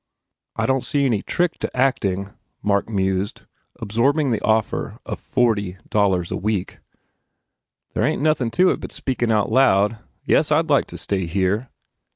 "I don t see any trick to acting," Mark mused, absorbing the offer of forty dollars a week, "There ain t nothin to it but speakin out loud. ... Yes, I d like to stay here."